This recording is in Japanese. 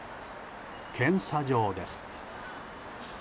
検査場です。